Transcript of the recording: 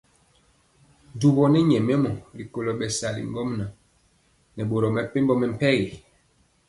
Dubɔ nɛ nyɛmemɔ rikolo bɛsali ŋgomnaŋ nɛ boro mepempɔ mɛmpegi.